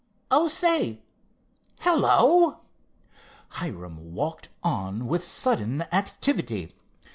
Oh, say, hello!" Hiram walked on with sudden activity.